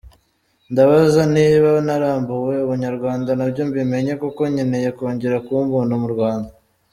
Ndabaza niba narambuwe Ubunyarwanda nabyo mbimenye kuko nkeneye kongera kuba umuntu mu Rwanda.